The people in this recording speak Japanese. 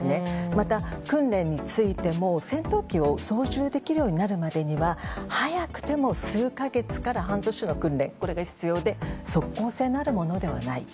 また、訓練についても戦闘機を操縦できるようになるまでには早くても数か月から半年の訓練が必要で即効性のあるものではないと。